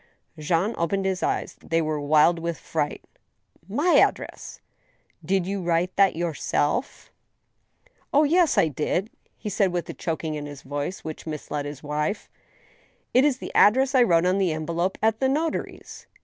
Jean opened his eyes ; they were wild with fright. "My address!" " Did you write that yourself? "" Oh, ye^, I did !" he said, with a choking in his voice, which misled his wife ;" it is the address I wrote on the envelope at the notary's."